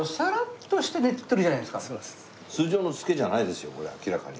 通常の漬けじゃないですよこれ明らかに。